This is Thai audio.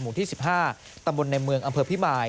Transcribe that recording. ที่๑๕ตำบลในเมืองอำเภอพิมาย